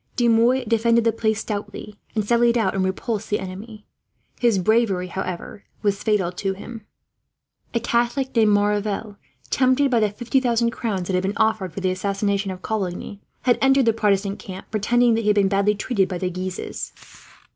De Mouy defended the place stoutly, and sallied out and repulsed the enemy. His bravery, however, was fatal to him. A Catholic named Maurevel, tempted by the fifty thousand crowns that had been offered for the assassination of Coligny, had entered the Protestant camp, pretending that he had been badly treated by the Guises.